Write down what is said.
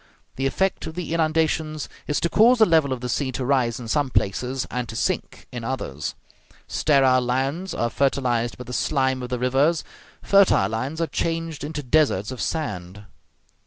The effect of the inundations is to cause the level of the sea to rise in some places and to sink in others; sterile lands are fertilized by the slime of the rivers, fertile lands are changed into deserts of sand.